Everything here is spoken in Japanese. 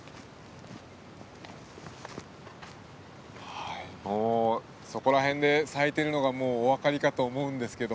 はいもうそこら辺で咲いてるのがもうお分かりかと思うんですけど